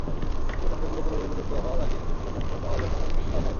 তবে সংকেতগুলো পুরোপুরি বিলুপ্ত হওয়ার আগেই যথেষ্ট তথ্য পাওয়ার ব্যাপারে আমরা আশাবাদী।